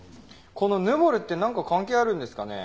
このヌボルってなんか関係あるんですかね？